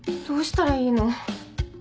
どうしたらいいの？